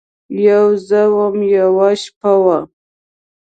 یوه زه وم، یوه شپه وه